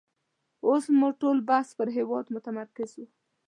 اوس مو ټول بحث پر هېواد متمرکز وو.